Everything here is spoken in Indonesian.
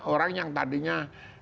dua orang yang tadinya